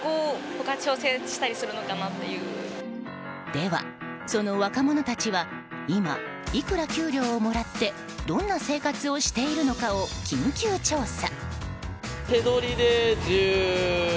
では、その若者たちは今いくら給料をもらってどんな生活をしているのかを緊急調査。